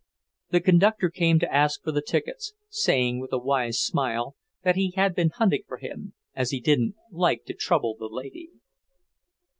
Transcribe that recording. The conductor came to ask for the tickets, saying with a wise smile that he had been hunting for him, as he didn't like to trouble the lady.